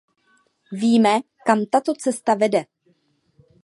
Víme, kam tato cesta vede.